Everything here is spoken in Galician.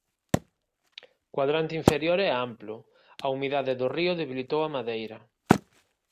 cuadrante inferior é amplo, a humidade do río debilitou a madeira.